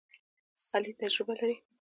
علي تجربه لري.